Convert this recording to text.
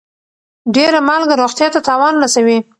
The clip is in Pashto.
ډيره مالګه روغتيا ته تاوان رسوي.